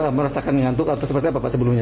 merasakan nyantuk atau seperti apa pak sebelumnya